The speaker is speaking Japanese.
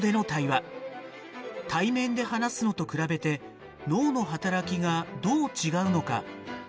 対面で話すのと比べて脳の働きがどう違うのか。